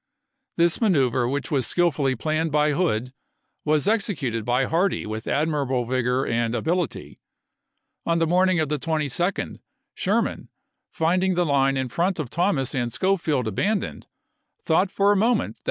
This manoeuvre which was skill fully planned by Hood was executed by Hardee with admirable vigor and ability. On the morning of the juiy, 1864. 22d Sherman, finding the line in front of Thomas and Schofield abandoned, thought for a moment that j.